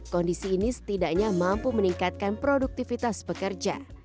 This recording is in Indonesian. kondisi ini setidaknya mampu meningkatkan produktivitas pekerja